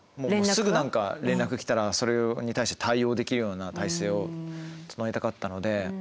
すぐ何か連絡来たらそれに対して対応できるような態勢を整えたかったので。